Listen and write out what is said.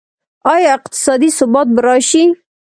آیا اقتصادي ثبات به راشي؟